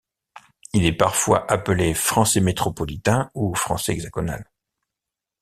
Il est parfois appelé français métropolitain ou français hexagonal.